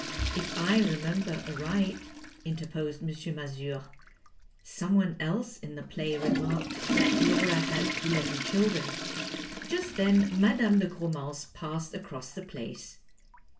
"" If I remember aright," interposed M. Mazure, " someone else in the play remarked that Laura had eleven children." Just then Mme. dc Gromance passed across the Place.